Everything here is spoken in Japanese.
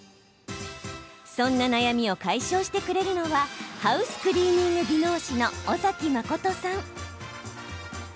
そんな悩みを解消してくれるのはハウスクリーニング技能士の尾崎真さん。